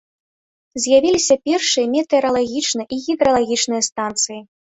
З'явіліся першыя метэаралагічныя і гідралагічныя станцыі.